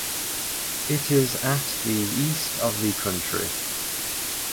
It is at the east of the country.